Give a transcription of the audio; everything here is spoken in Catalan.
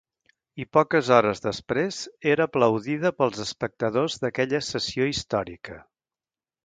I poques hores després era aplaudida pels espectadors d'aquella sessió històrica.